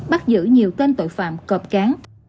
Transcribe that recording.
bắt giữ nhiều tên tội phạm cộp cán